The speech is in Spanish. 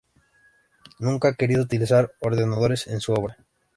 Nunca ha querido utilizar ordenadores en su obra.